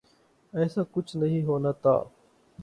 ایسا کچھ نہیں ہونا تھا۔